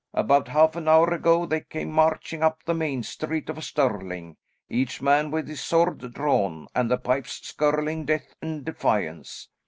About half an hour ago they came marching up the main street of Stirling, each man with his sword drawn, and the pipes skirling death and defiance.